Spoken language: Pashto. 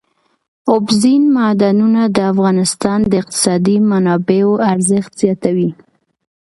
اوبزین معدنونه د افغانستان د اقتصادي منابعو ارزښت زیاتوي.